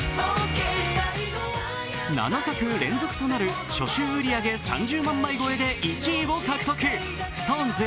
７作連続となる初週売り上げ３０万枚超えで１位を獲得。